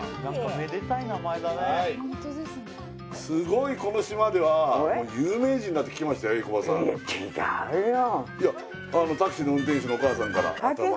すごいこの島ではえい